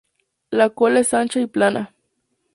La cola es ancha y plana.